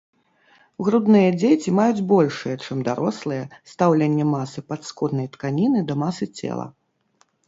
Грудныя дзеці маюць большае чым дарослыя, стаўленне масы падскурнай тканіны да масы цела.